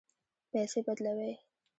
پیسې بدلوئ؟